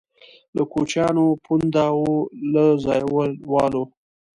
له کوچیانو پونده وو له ځایوالو.